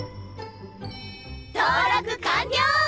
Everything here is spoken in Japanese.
登録完了！